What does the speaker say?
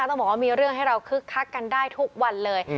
ต้องบอกว่ามีเรื่องให้เราคึกคักกันได้ทุกวันเลย